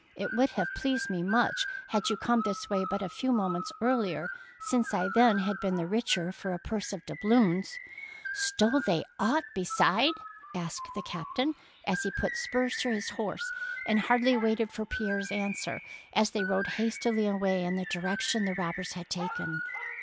" It would have pleased me much had you come this way but a few moments earlier, since I then had been the richer for a purse of doubloons." "Stole they aught beside? " asked the captain, as he put spurs to his horse and hardly waited for Pierre's answer as they rode hastily away in the direc tion the robbers had taken.